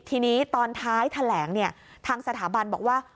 ทีนี้ตอนท้ายแถลงเนี่ยทางสถาบันบอกว่า